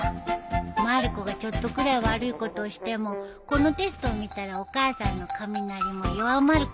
まる子がちょっとくらい悪いことをしてもこのテストを見たらお母さんの雷も弱まるかもしれないね。